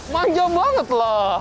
manja banget lah